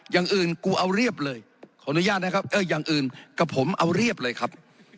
อย่างอื่นกูเอาเรียบเลยขออนุญาตนะครับเอออย่างอื่นกับผมเอาเรียบเลยครับ